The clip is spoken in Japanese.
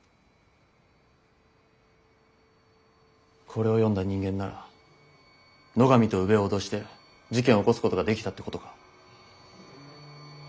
これを読んだ人間なら野上と宇部を脅して事件を起こすことができたってことか。